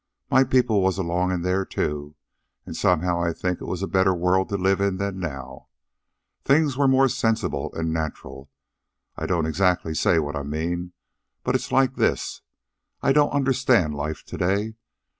My people was along in there, too, an' somehow I think it was a better world to live in than now. Things was more sensible and natural. I don't exactly say what I mean. But it's like this: I don't understand life to day.